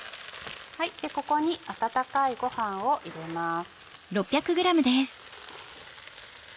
ここに温かいご飯を入れます。